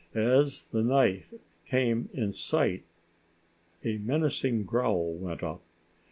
As the knife came in sight a menacing growl went up.